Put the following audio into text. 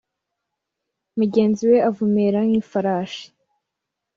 mugenzi we avumera nk ifarashi